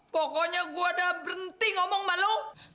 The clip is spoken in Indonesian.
pokoknya gua udah berhenti ngomong sama lo